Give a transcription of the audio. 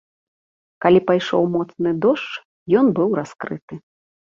Калі пайшоў моцны дождж, ён быў раскрыты.